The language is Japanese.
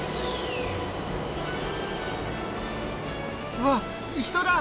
うわっ人だ！